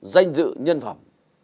danh dự nhân phẩm